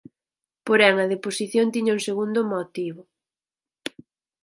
Porén a deposición tiña un segundo motivo.